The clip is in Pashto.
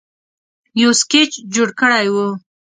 یو سکیچ جوړ کړی وو